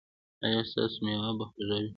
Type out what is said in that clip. ایا ستاسو میوه به خوږه وي؟